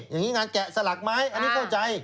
อย่างนี้งานแกะสลักไม้อันนี้เข้าใจ